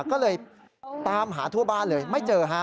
ก็เลยตามหาทั่วบ้านเลยไม่เจอฮะ